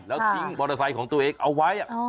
แล้วทิ้งมอเตอร์ไซค์ของตัวเองเอาไว้